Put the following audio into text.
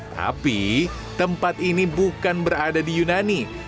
tapi tempat ini bukan berada di yunani